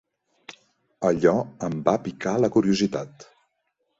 Allò em va picar la curiositat.